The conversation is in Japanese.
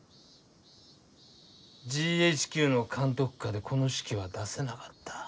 ＧＨＱの監督下でこの手記は出せなかった？